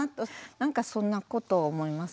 なんかそんなことを思います。